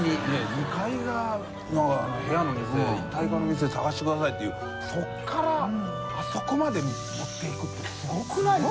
２階が部屋の店一体化の店探してくださいっていうそこからあそこまで持って行くてすごくないですか？